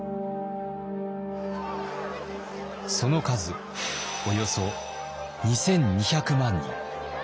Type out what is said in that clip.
その数およそ２，２００万人。